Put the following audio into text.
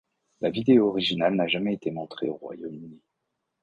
La vidéo originale n'a jamais été montrée au Royaume-Uni.